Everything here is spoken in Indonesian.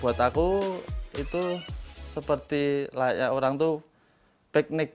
buat aku itu seperti layak orang itu piknik